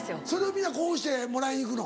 皆こうしてもらいに行くの？